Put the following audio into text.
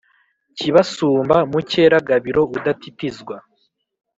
kibasumba mukera gabiro udatitizwa